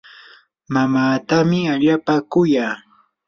mamaatami allaapa kuya.